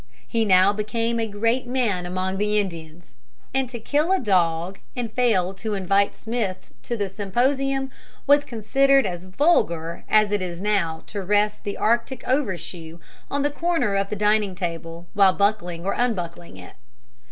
He now became a great man among the Indians; and to kill a dog and fail to invite Smith to the symposium was considered as vulgar as it is now to rest the arctic overshoe on the corner of the dining table while buckling or unbuckling it.